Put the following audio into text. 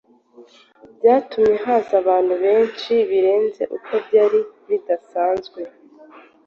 byatumye haza abantu benshi birenze uko byari bidasanzwe.